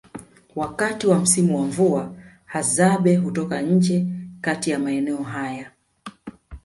Wakati wa msimu wa mvua Hadzabe hutoka nje kati ya maeneo haya